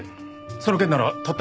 その件ならたった